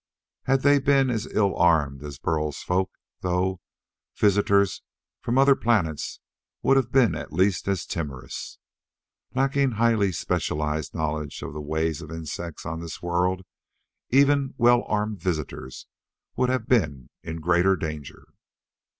Had they been as ill armed as Burl's folk, though, visitors from other planets would have been at least as timorous. Lacking highly specialized knowledge of the ways of insects on this world even well armed visitors would have been in greater danger.